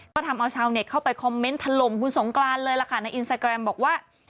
ก็ทำเอาชาวเน็ตเข้าไปคอมเมนต์ถล่มคุณสงกรานเลยล่ะค่ะในอินสตาแกรมบอกว่า